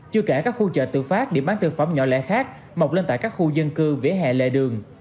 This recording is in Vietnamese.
chưa kể các khu chợ tự phát địa bán thực phẩm nhỏ lẻ khác mọc lên tại các khu dân cư vỉa hẹ lề đường